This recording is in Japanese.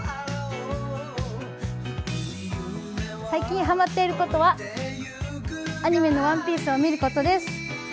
最近ハマッていることは、アニメの「ＯＮＥＰＩＥＣＥ」を見ることです。